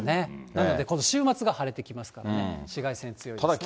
なので、この週末が晴れてきますからね、紫外線強いですね。